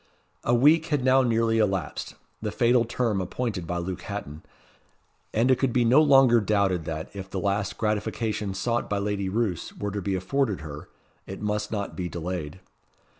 A week had now nearly elapsed the fatal term appointed by Luke Hatton and it could be no longer doubted that, if the last gratification sought by Lady Roos were to be afforded her, it must not be delayed.